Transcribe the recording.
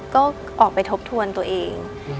ก็ออกไปทบทวนตัวเอง